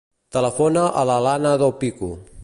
Telefona a l'Alana Dopico.